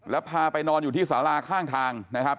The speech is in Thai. แล้วพาไปนอนอยู่ที่สาราข้างทางนะครับ